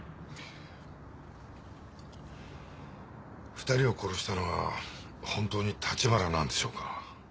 ２人を殺したのは本当に立花なんでしょうか。